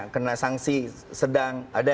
kena sanksi sedang ada